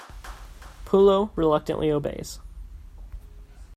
Pullo reluctantly obeys.